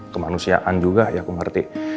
kemanusiaan juga ya aku ngerti